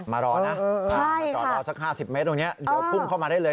มารอนะมารอสัก๕๐เมตรตรงนี้เดี๋ยวพุ่งเข้ามาได้เลย